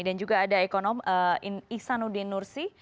dan juga ada ekonom isanuddin nursi